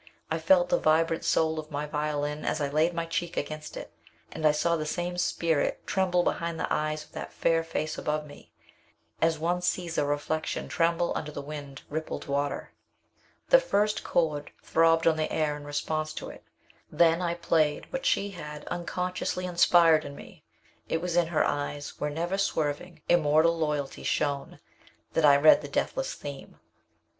I felt the vibrant soul of my violin as I laid my cheek against it, and I saw the same spirit tremble behind the eyes of the fair face above me, as one sees a reflection tremble under the wind rippled water. The first chord throbbed on the air in response to it. Then I played what she had unconsciously inspired in me. It was in her eyes, where never swerving, immortal loyalty shone, that I read the deathless theme.